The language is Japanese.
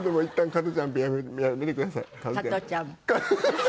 加トちゃんペッ。